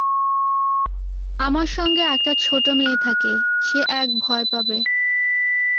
আমার সঙ্গে একটা ছোট মেয়ে থাকে, সে এক ভয় পাবে।